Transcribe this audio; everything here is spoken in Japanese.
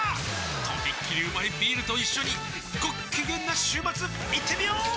とびっきりうまいビールと一緒にごっきげんな週末いってみよー！